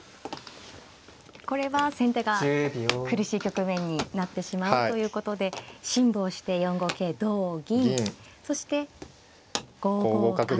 これは先手が苦しい局面になってしまうということで辛抱して４五桂同銀そして５五角と。